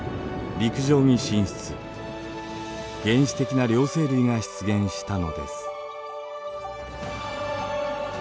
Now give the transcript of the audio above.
原始的な両生類が出現したのです。